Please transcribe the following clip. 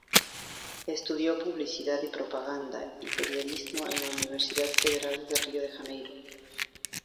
Estudió Publicidad y Propaganda y Periodismo en la Universidad Federal de Río de Janeiro.